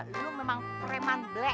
lu memang preman ble e